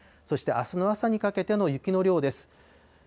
そしてあすの朝にかけての雪の量です。